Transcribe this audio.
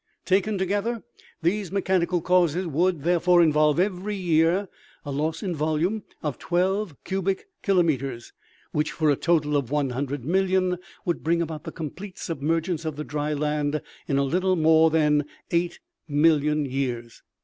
" Taken together, these mechanical causes would, there fore, involve every year a loss in volume of twelve cubic kilometers, which, for a total of 100,000,000, would bring about the complete submergence of the dry land in a little more than 8,000,000 years.